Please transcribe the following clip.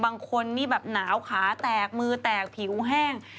บางคนนี่แบบหนาวขาแตกมือแตกผิวแห้ง